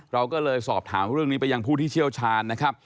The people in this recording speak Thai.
เราก็เลยสอบถามเรื่องนี้ไปยังผู้ที่เชี่ยวชาญนะครับ